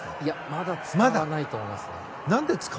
まだ使わないと思います。